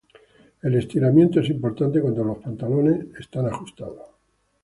El estiramiento es importante cuando los pantalones son ajustados.